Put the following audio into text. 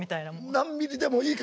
何ミリでもいいから。